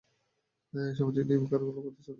সামাজিক নিয়মকানুনগুলোর প্রতি শ্রদ্ধাশীল হতে হবে।